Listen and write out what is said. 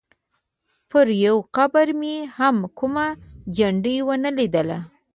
پر یوه قبر مې هم کومه جنډه ونه لیدله.